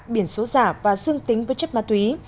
biển số giả và dương tính với chất ma túy